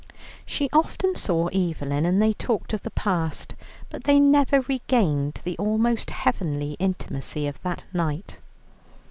She often saw Evelyn, and they talked of the past, but they never regained the almost heavenly intimacy of that night.